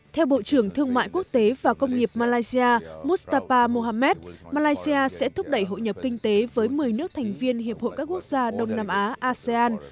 theo bộ trưởng thương mại quốc tế và công nghiệp malaysia mustapa mohamed malaysia sẽ thúc đẩy hội nhập kinh tế với một mươi nước thành viên hiệp hội các quốc gia đông nam á asean